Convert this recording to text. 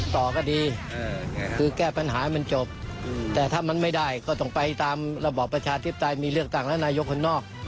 ต่อก็ดีคือแก้ปัญหาให้มันจบแต่ถ้ามันไม่ได้ก็ต้องไปตามระบอบประชาธิปไตยมีเลือกตั้งและนายกคนนอก